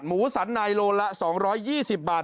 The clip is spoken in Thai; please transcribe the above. สันในโลละ๒๒๐บาท